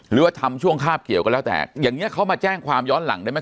หรือว่าทำช่วงคาบเกี่ยวก็แล้วแต่อย่างเงี้เขามาแจ้งความย้อนหลังได้ไหม